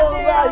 bukan salah gua